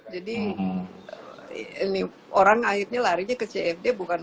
jadi ini orang akhirnya larinya ke cfd bukan